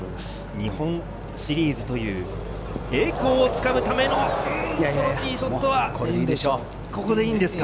日本シリーズという栄光をつかむためのティーショットは、ここでいいんですか？